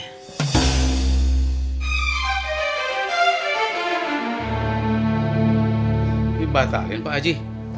ini batalin pak haji